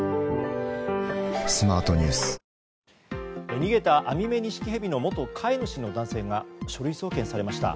逃げたアミメニシキヘビの元飼い主の男性が書類送検されました。